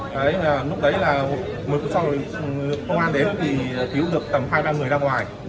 đấy lúc đấy là một mươi phút sau thì công an đến thì cứu được tầm hai ba người ra ngoài